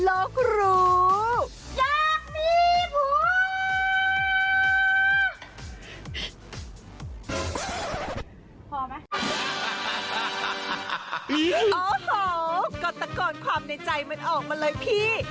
โอ้โหก็ตะโกนความในใจมันออกมาเลยพี่